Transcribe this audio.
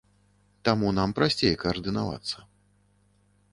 Таму нам прасцей каардынавацца.